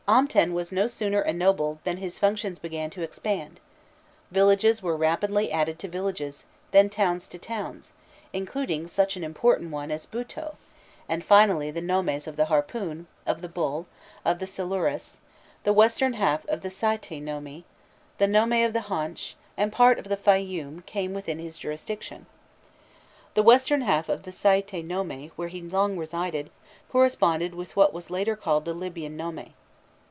Amten was no sooner ennobled, than his functions began to expand; villages were rapidly added to villages, then towns to towns, including such an important one as Bûto, and finally the nomes of the Harpoon, of the Bull, of the Silurus, the western half of the Saïte nome, the nome of the Haunch, and a part of the Fayûm came within his jurisdiction. The western half of the Saïte nome, where he long resided, corresponded with what was called later the Libyan nome.